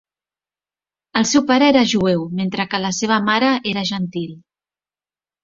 El seu pare era jueu mentre que la seva mare era gentil.